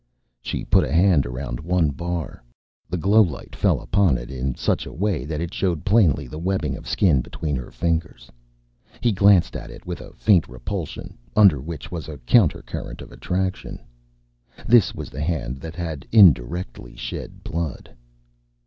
She put a hand around one bar. The glow light fell upon it in such a way that it showed plainly the webbing of skin between her fingers. He glanced at it with a faint repulsion under which was a counter current of attraction. This was the hand that had, indirectly, shed blood.